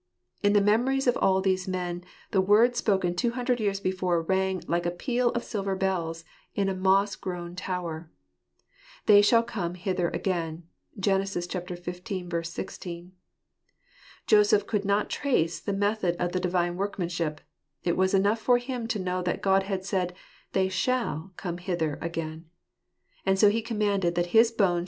In the memories of all these men the word spoken two hundred years before rang like a peal of silver bells in a moss grown tower. " They shall come hither again " (Gen. xv. 16). Joseph could not trace the method of the Divine workmanship : it was enough for him to know that God had said, " They shall come hither again." And so he commanded that his bone?